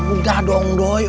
udah dong doi